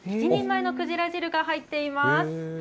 １人前のくじら汁が入っています。